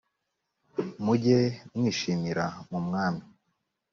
mujye mwishimira mu mwami